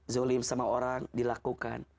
zulim sama orang dilakukan